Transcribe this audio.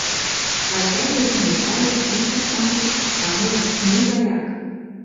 Вачай тудым нӧлтале, ӱпшыч ончыш: тамле, мӱй гаяк.